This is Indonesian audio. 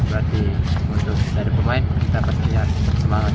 berarti untuk dari pemain kita pastinya bersemangat